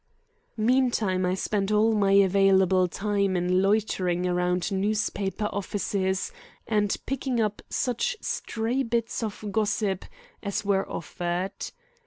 Meantime I spent all my available time in loitering around newspaper offices and picking up such stray bits of gossip as were offered.